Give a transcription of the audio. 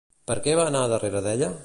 Per què va anar darrere d'ella?